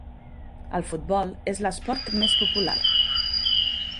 El futbol és l'esport més popular.